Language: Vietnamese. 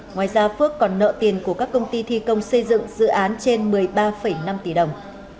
ngoài ra phước còn nợ tiền của các công ty thi công xây dựng dự án trên một mươi ba năm tỷ đồng